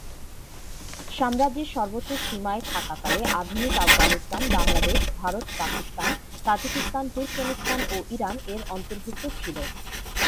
সাম্রাজ্যের সর্বোচ্চ সীমায় থাকাকালে আধুনিক আফগানিস্তান, বাংলাদেশ, ভারত, পাকিস্তান, তাজিকিস্তান, তুর্কমেনিস্তান ও ইরান এর অন্তর্ভুক্ত ছিল।